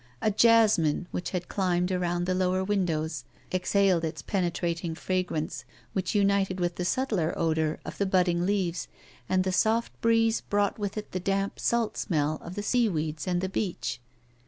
A jasmine, which had climbed around the lower windo ws, exhaled its penetrating fragrance which united with the subtler odour of the budding leaves, and the soft breeze brought with it the damp, salt smell of the seaweeds and' the beach.